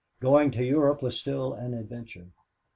Going to Europe was still an adventure.